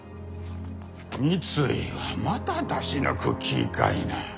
三井はまた出し抜く気ぃかいな。